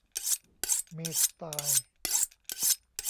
มีสไตล์